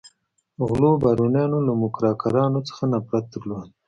غلو بارونیانو له موکراکرانو څخه نفرت درلود.